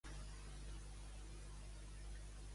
Soc vella, però tinc la mateixa tavella.